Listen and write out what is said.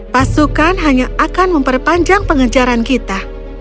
pasukan hanya akan memperpanjang pengejaran kita